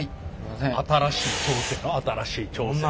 新しい挑戦新しい挑戦。